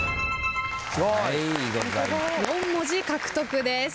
４文字獲得です。